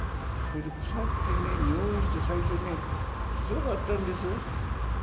それに腐って、臭いして、最初ね、すごかったんです。